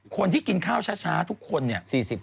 คนที่กินข้าวช้าทุกคนเนี่ย